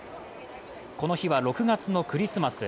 この日は６月のクリスマス。